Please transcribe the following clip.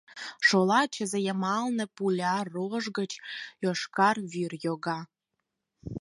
Шола чызе йымалне пуля рож гыч йошкар вӱр йога.